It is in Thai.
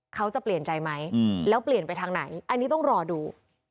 เขาจะเปลี่ยนใจไหมแล้วเปลี่ยนไปทางไหนอันนี้ต้องรอดู